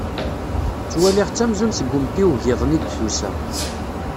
Ttwaliɣ-tt amzun seg umtiweg-iḍen i d-tusa.